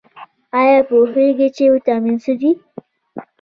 ایا پوهیږئ چې ویټامین څه دي؟